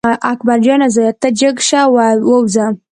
اکبر جانه زویه ته جګ شه ووځه.